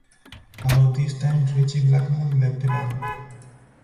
About this time Ritchie Blackmore left the band.